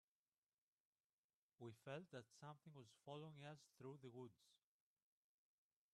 We felt that something was following us through the woods.